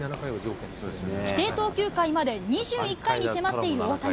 規定投球回まで２１回に迫っている大谷。